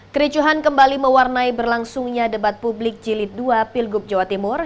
kericuhan kembali mewarnai berlangsungnya debat publik jilid dua pilgub jawa timur